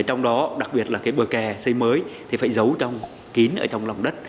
trong đó đặc biệt là bờ kè xây mới thì phải giấu trong kín trong lòng đất